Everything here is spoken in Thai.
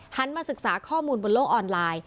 มาศึกษาข้อมูลบนโลกออนไลน์